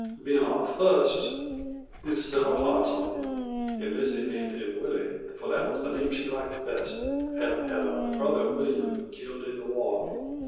Bein' our fust, we sot our hearts on him, and Lizzie named him Willie, for that wuz the name she liked best, havin' had a brother Willyum killed in the war.